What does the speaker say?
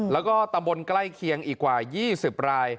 แล้วก็ตำบลใกล้เคียงอีกกว่า๒๐ราย